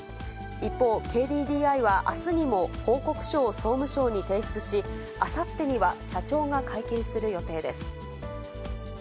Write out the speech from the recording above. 一方、ＫＤＤＩはあすにも、報告書を総務省に提出し、あさってには社長が会見する予定です。